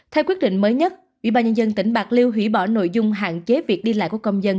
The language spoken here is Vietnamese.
theo quyết định mới nhất ủy ban nhân dân tỉnh bạc liêu hủy bỏ nội dung hạn chế việc đi lại của công dân